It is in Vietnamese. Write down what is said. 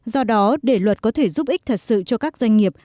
do đó để luật có thể giúp ích thật sự cho các doanh nghiệp